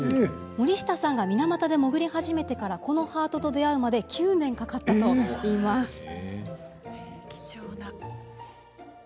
森下さんが水俣で潜り始めてからこのハートと出会うまで９年かかったといいます。